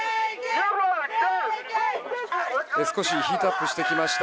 少しヒートアップしてきました。